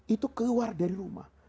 itu keluar dari rumah